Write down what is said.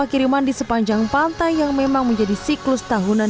kiriman di sepanjang pantai yang memang menjadi siklus tahunan